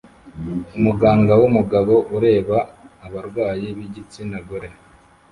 Umuganga wumugabo ureba abarwayi b'igitsina gore